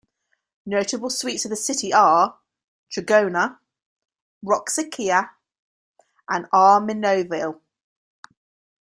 Notable sweets of the city are "Trigona", "Roxakia" and "Armenovil".